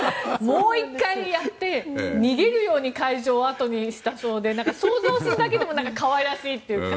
もう１回やって逃げるように会場を後にしたそうで想像するだけでも可愛らしいというか。